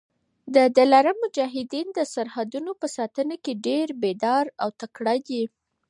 د دلارام مجاهدین د سرحدونو په ساتنه کي ډېر بېداره او تکړه دي.